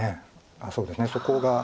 そうですねそこが。